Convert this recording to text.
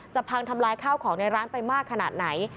พังทำลายข้าวของในร้านไปมากขนาดไหน